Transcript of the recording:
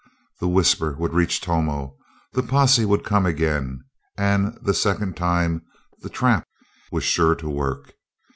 The whisper would reach Tomo the posse would come again, and the second time the trap was sure to work.